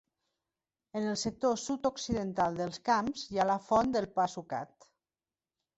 En el sector sud-occidental dels camps hi ha la Font del Pa Sucat.